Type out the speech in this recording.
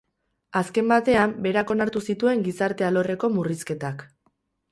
Azken batean, berak onartu zituen gizarte alorreko murrizketak.